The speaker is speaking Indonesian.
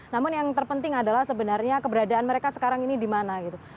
namun yang terpenting adalah sebenarnya keberadaan mereka sekarang ini di mana gitu